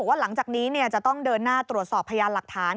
ว่าหลังจากนี้จะต้องเดินหน้าตรวจสอบพยานหลักฐาน